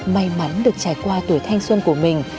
may mắn được trải qua tuổi thanh xuân của mình